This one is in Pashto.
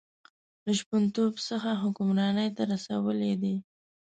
له شپونتوب څخه حکمرانۍ ته رسولی دی.